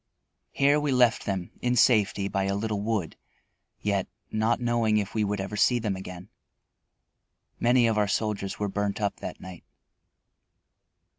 Here we left them in safety by a little wood, yet not knowing if we would ever see them again. Many of our soldiers were burnt up that night.